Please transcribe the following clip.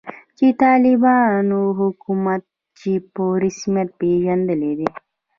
چې د طالبانو حکومت یې په رسمیت پیژندلی دی